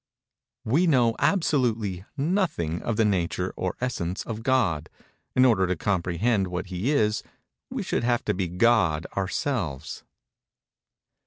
_"—"We know absolutely nothing of the nature or essence of God:—in order to comprehend what he is, we should have to be God ourselves."